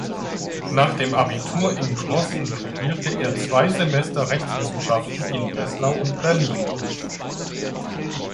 Nach dem Abitur in Crossen studierte er zwei Semester Rechtswissenschaften in Breslau und Berlin.